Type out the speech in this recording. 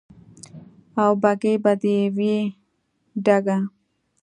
او بګۍ به دې وي ډکه